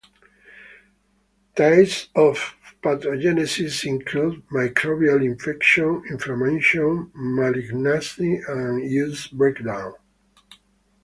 Types of pathogenesis include microbial infection, inflammation, malignancy and tissue breakdown.